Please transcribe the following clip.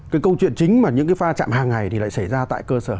cái câu chuyện chính mà những cái pha chạm hàng ngày thì lại xảy ra tại cơ sở